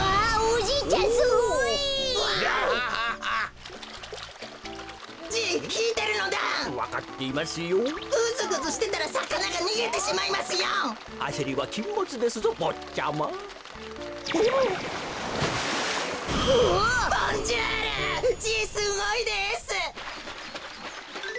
じいすごいです！